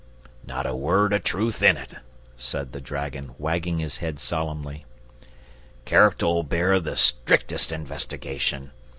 "Not a word of truth in it," said the dragon, wagging his head solemnly. "Character'll bear the strictest investigation.